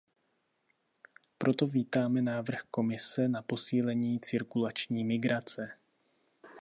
Proto vítáme návrh Komise na posílení cirkulační migrace.